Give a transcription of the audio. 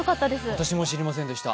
私も知りませんでした。